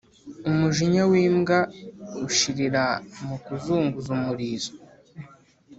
Umujinya w’imbwa ushirira mu kuzunguza umurizo.